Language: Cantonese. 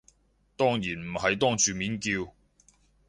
當然唔係當住面叫